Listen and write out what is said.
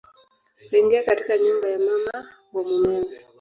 Huingia katika nyumba ya mama wa mumewe